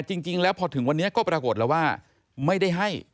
จริงแล้วพอถึงวันนี้ก็ปรากฏแล้วว่าไม่ได้ให้